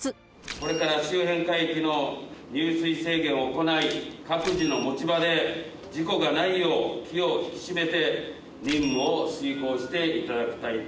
これから周辺海域の入水制限を行い、各自の持ち場で事故がないよう、気を引き締めて、任務をよーい、テイ。